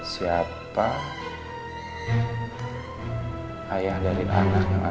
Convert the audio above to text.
siapa ayah dari anak yang ada dalam perut kamu